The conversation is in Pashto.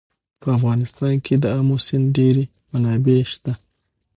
په افغانستان کې د آمو سیند ډېرې منابع شته.